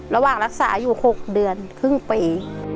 ระหว่างรักษาอยู่๖เดือนครึ่งปี